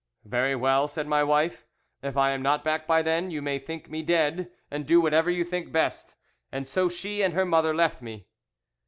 'Very well,' said my wife; 'if I am not back by then, you may think me dead, and do whatever you think best.' And so she and her mother left me.